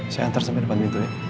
saya antar sampai depan pintunya